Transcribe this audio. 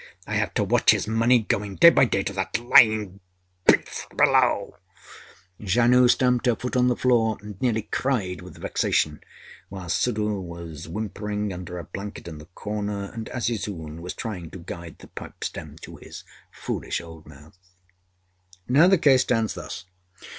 I have to watch his money going day by day to that lying beast below.â Janoo stamped her foot on the floor and nearly cried with vexation; while Suddhoo was whimpering under a blanket in the corner, and Azizun was trying to guide the pipe stem to his foolish old mouth. ......... Now the case stands thus.